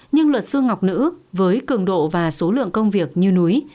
nhưng luật sư ngọc nữ với cường độ và số lượng công việc như núi